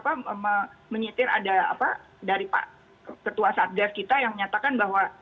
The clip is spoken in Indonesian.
kita menyetir ada apa dari pak ketua satgas kita yang menyatakan bahwa